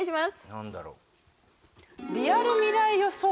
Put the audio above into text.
何だろう？